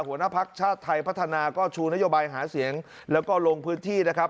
หัวหน้าภักดิ์ชาติไทยพัฒนาก็ชูนโยบายหาเสียงแล้วก็ลงพื้นที่นะครับ